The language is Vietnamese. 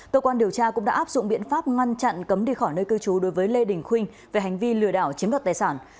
cơ quan điều tra cũng đã áp dụng biện pháp ngăn chặn cấm đi khỏi nơi cư trú đối với lê đình khuynh về hành vi lừa đảo chiếm đoạt tài sản